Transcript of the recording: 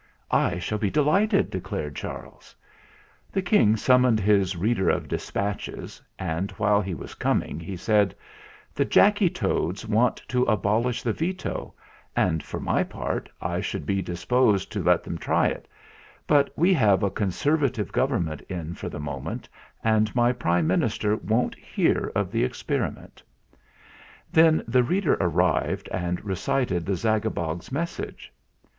"I shall be delighted," declared Charles. The King summoned his Reader of Des patches, and, while he was coming, he said : "The Jacky Toads want to abolish the Veto, and, for my part, I should be disposed to let them try it; but we have a Conservative Government in for the moment, and my Prime Minister won't hear of the experiment." Then the reader arrived and recited the Zagabog's message.